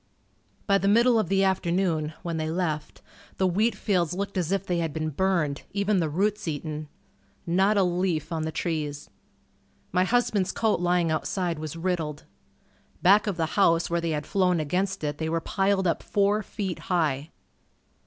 By the middle of the afternoon, when they left, the wheat fields looked as if they had been burned, even the roots eaten. Not a leaf on the trees. My husband's coat lying outside was riddled. Back of the house where they had flown against it they were piled up four feet high.